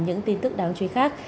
những tin tức đáng chú ý khác